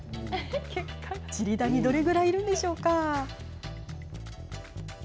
チリダニどれくらいいるんでしょうか？